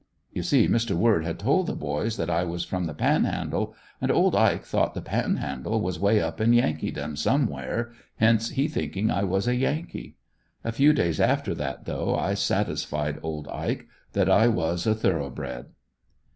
You see Mr. Word had told the boys that I was from the Panhandle, and old Ike thought the Panhandle was way up in Yankeedom somewhere, hence he thinking I was a yankee. A few days after that though, I satisfied old Ike that I was a thoroughbred.